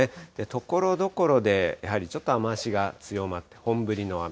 ところどころでやはりちょっと雨足が強まって、本降りの雨。